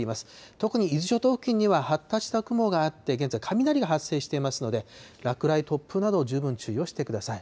特に伊豆諸島付近には発達した雲があって、現在、雷が発生していますので、落雷、突風など、十分注意をしてください。